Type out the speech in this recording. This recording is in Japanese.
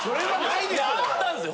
いやあったんすよ！